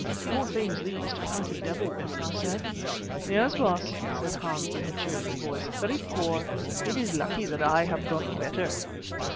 "Poor things these to fight a devil with," I said. "Yes, Baas," said Hans in a cheerful voice, "very poor. It is lucky that I have got a better."